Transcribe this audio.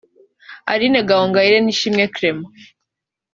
Aline Gahongayire na Ishimwe Clement